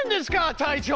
隊長。